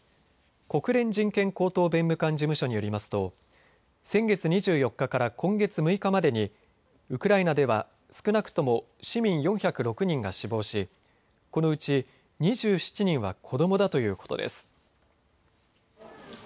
国連人権高等弁務官事務所によりますと先月２４日から今月６日までにウクライナでは少なくとも市民４０６人が死亡しこのうち２７人は子どもだということです。